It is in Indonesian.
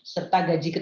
serta gaji ke tiga belas